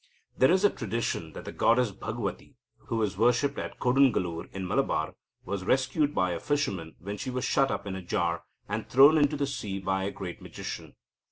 There is a tradition that the goddess Bhagavati, who is worshipped at Kodungallur in Malabar, was rescued by a fisherman when she was shut up in a jar, and thrown into the sea by a great magician.